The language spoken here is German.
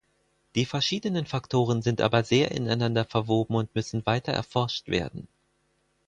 Die verschiedenen Faktoren sind aber sehr ineinander verwoben und müssen weiter erforscht werden.